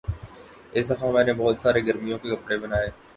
اس دفعہ میں نے بہت سارے گرمیوں کے کپڑے بنائے